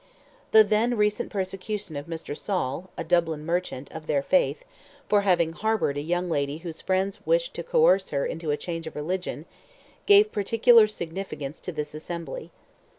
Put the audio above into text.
The then recent persecution of Mr. Saul, a Dublin merchant, of their faith, for having harboured a young lady whose friends wished to coerce her into a change of religion, gave particular significance to this assembly.